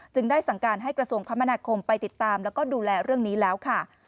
ได้สั่งการให้กระทรวงคมนาคมไปติดตามแล้วก็ดูแลเรื่องนี้แล้วค่ะ